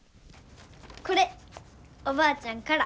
これおばあちゃんから。